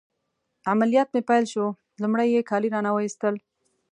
عملیات مې پیل شول، لمړی يې کالي رانه وایستل.